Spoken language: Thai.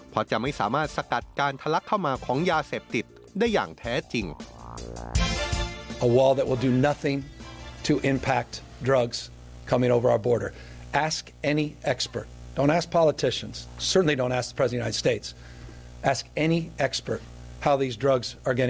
เพราะจะไม่สามารถสกัดการทะลักเข้ามาของยาเสพติดได้อย่างแท้จริง